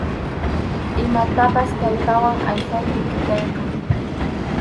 Imatapas kallpawan aysaymi chutayqa.